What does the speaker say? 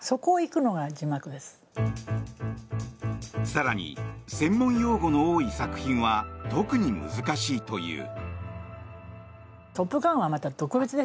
更に専門用語の多い作品は特に難しいという。